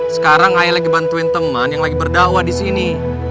sekarang aji lagi bantuin temen yang lagi berdawa di sini